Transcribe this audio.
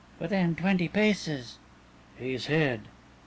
"Within twenty paces." "He's hid."